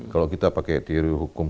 kalau kita pakai deal hukum